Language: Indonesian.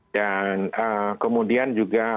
dan kemudian juga